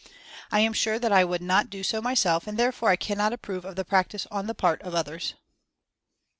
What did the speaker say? I am sure that I would not do so myself, and therefore I cannot approve of the practice on the part of others.